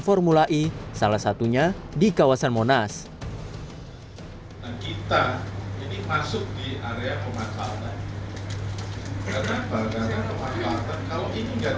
formula e salah satunya di kawasan monas kita ini masuk di area pemasatan karena pergantian kemasatan kalau ini jadi hal yang tidak terlalu baik untuk kita